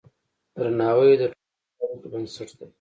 درناوی د ټولنیزو اړیکو بنسټ دی.